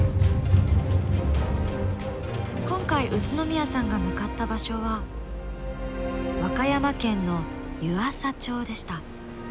今回宇都宮さんが向かった場所は和歌山県の湯浅町でした。